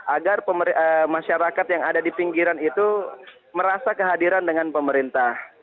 agar masyarakat yang ada di pinggiran itu merasa kehadiran dengan pemerintah